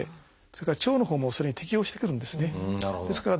それから腸のほうもそれに適応してくるんですね。